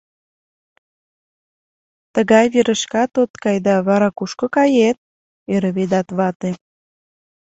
Тыгай верышкат от кай да, вара кушко кает? — ӧрӧ Ведат вате.